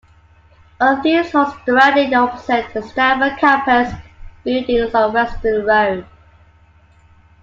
All of these halls are directly opposite the Stafford campus buildings on Weston Road.